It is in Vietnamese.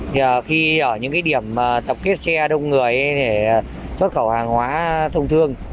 thì khi ở những điểm tập kết xe đông người để xuất khẩu hàng hóa thông thương